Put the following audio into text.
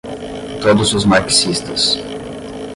todos os marxistas